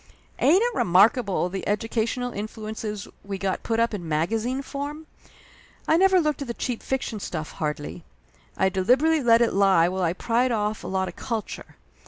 Ain't it remarkable the educational influences we got put up in magazine form? I never looked at the cheap fiction stuff, hardly. I deliberately let it lie while I pried off a lot of culture.